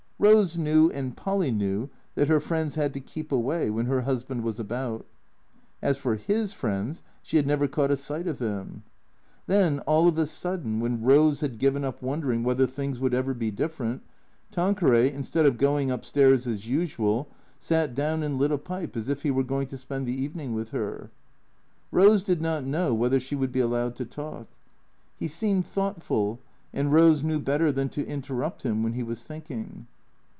Rose knew and Polly knew that her friends had to keep away when her husband was about. As for Ms friends, she had never caught a sight of them. Then, all of a sudden, when Rose had given up wondering THE C K E A T 0 E S 133 whether things would ever be different, Tanqueray, instead of going up stairs as usual, sat down and lit a pipe as if he were going to spend the evening with her. Rose did not know whether she would be allowed to talk. He seemed thoughtful, and Eose knew better than to interrupt him when he was think ing.